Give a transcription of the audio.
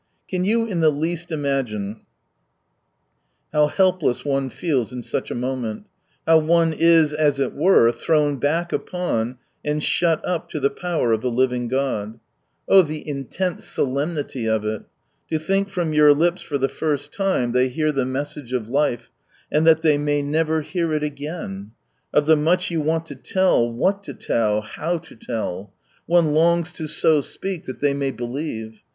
Can you in the least imagine how helpless one feels in such a moment — how one is, as it were, thrown back upon, and shut up to the power of the living God ? Ob, the intense solemnity of it. To think from your lips for the first time they 6o From bunrise ^and hear the message of life, and that ihey may never heat it again ! Of the much you want 10 tell, what to tell, hew to tell ! One longs to "so speak " that they may believe.